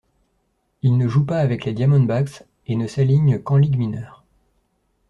Il ne joue pas avec les Diamondbacks et ne s'aligne qu'en ligues mineures.